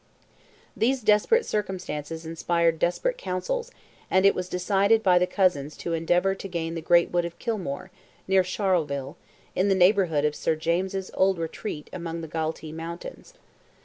These desperate circumstances inspired desperate councils, and it was decided by the cousins to endeavour to gain the great wood of Kilmore, near Charleville—in the neighbourhood of Sir James' old retreat among the Galtee Mountains.